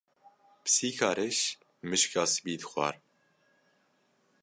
Pisîka reş mişka spî dixwar.